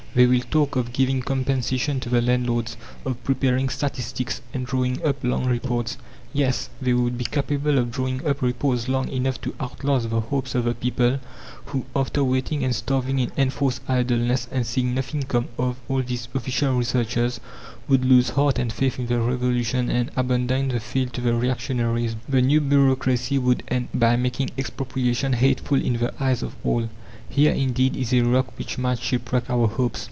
They will talk of giving compensation to the landlords, of preparing statistics, and drawing up long reports. Yes, they would be capable of drawing up reports long enough to outlast the hopes of the people, who, after waiting and starving in enforced idleness, and seeing nothing come of all these official researches, would lose heart and faith in the Revolution and abandon the field to the reactionaries. The new bureaucracy would end by making expropriation hateful in the eyes of all. Here, indeed, is a rock which might shipwreck our hopes.